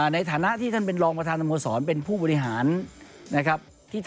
ในฐานะที่ท่านเป็นรองประธานสโมสรเป็นผู้บริหารนะครับ